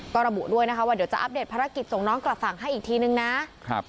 ก็ระบุด้วยนะคะว่าเดี๋ยวจะอัปเดตภารกิจส่งน้องกลับฝั่งให้อีกทีนึงนะครับ